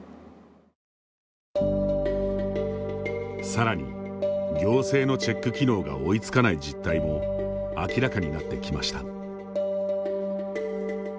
さらに、行政のチェック機能が追いつかない実態も明らかになってきました。